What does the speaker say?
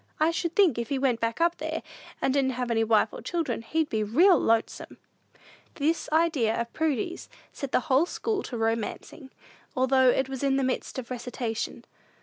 I should think, if he went back up there, and didn't have any wife and children, he'd be real lonesome!" This idea of Prudy's set the whole school to romancing, although it was in the midst of a recitation.